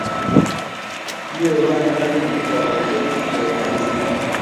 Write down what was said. Kiwek kaa alake eng bikkap boisiet ye kingobek boisiet.